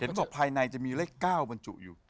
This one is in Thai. ศพภายในจะมีเลข๙บรรจุอยู่